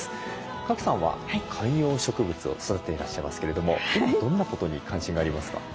賀来さんは観葉植物を育てていらっしゃいますけれどもどんなことに関心がありますか？